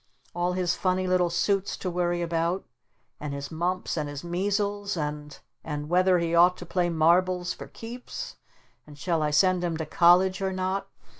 All his funny little suits to worry about and his mumps and his measles and and whether he ought to play marbles 'for keeps' and shall I send him to college or not?